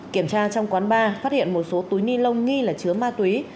kiểm tra trong quán bar phát hiện một số túi ni lông nghi là chứa ma túy